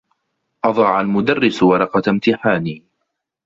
أضاع المدرّس ورقة امتحاني.